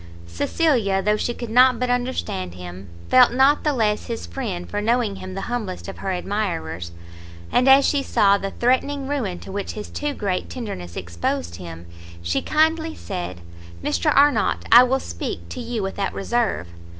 Cecilia, though she could not but understand him, felt not the less his friend for knowing him the humblest of her admirers; and as she saw the threatening ruin to which his too great tenderness exposed him, she kindly said "Mr Arnott, I will speak, to you without reserve.